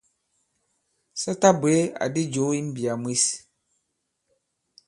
Sa ta bwě àdi jǒ i mbìyà mwes.